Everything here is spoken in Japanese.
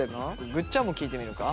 ぐっちゃんも聞いてみるか。